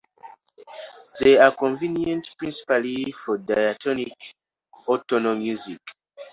They are convenient principally for diatonic or tonal music.